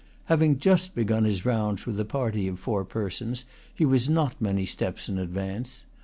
Having just begun his rounds with a party of four persons, he was not many steps in advance.